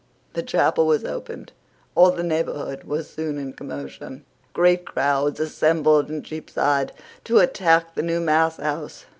The chapel was opened. All the neighbourhood was soon in commotion. Great crowds assembled in Cheapside to attack the new mass house.